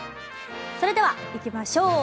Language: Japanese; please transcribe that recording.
それでは行きましょう。